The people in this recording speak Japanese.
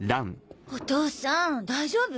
お父さん大丈夫？